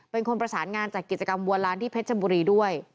เป็นคนประสานงานจากกิจกรรมบัวล้านที่เพชรบุรีด้วย